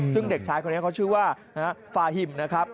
ซึ่งเด็กชายคนนี้เขาชื่อว่าฟาฮิมนะครับ